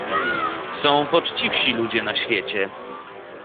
"Są poczciwsi ludzie na świecie."